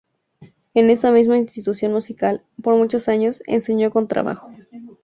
En esa misma institución musical, por muchos años, enseñó contrabajo.